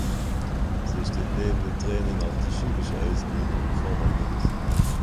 So steht neben dem Training auch die schulische Ausbildung im Vordergrund.